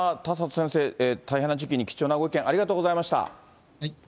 田里先生、大変な時期に貴重なごありがとうございました。